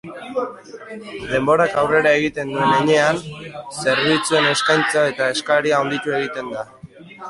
Denborak aurrera egiten duen heinean, zerbitzuen eskaintza eta eskaria handitu egiten da.